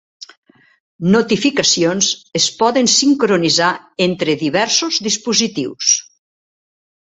Notificacions es poden sincronitzar entre diversos dispositius.